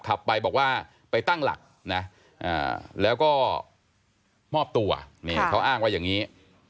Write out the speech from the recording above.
ขับไปบอกว่าไปตั้งหลักนะแล้วก็มอบตัวนี่เขาอ้างว่าอย่างนี้